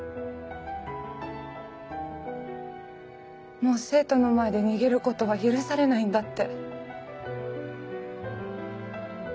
もう生徒の前で逃げることは許されないんだって。